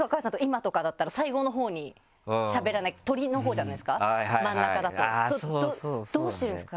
今とかだったら最後のほうにしゃべらなきゃトリのほうじゃないですか真ん中だとどうしてるんですか？